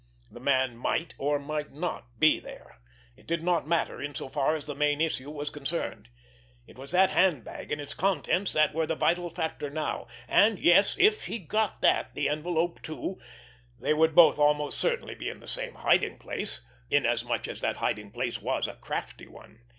The man might, or might not, be there. It did not matter in so far as the main issue was concerned. It was that handbag and its contents that were the vital factor now—and, yes, if he got that, the envelope too—they would both almost certainly be in the same hiding place—inasmuch as that hiding place was a crafty one.